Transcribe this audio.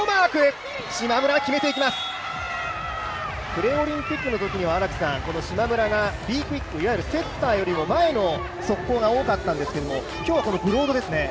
プレオリンピックのときには、この島村がＢクイック、セッターよりも前の速攻が多かったんですけども今日はこのブロードですね？